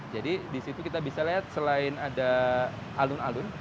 jadi di situ kita bisa lihat selain ada alun alun